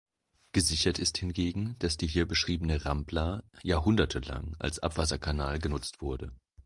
Gesichert ist hingegen, dass die hier beschriebene Rambla jahrhundertelang als Abwasserkanal genutzt wurde.